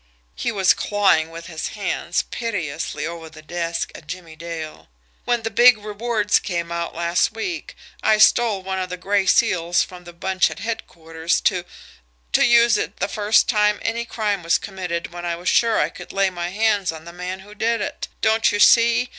He was clawing with his hands, piteously, over the desk at Jimmie Dale. "When the big rewards came out last week I stole one of the gray seals from the bunch at headquarters to to use it the first time any crime was committed when I was sure I could lay my hands on the man who did it. Don't you see?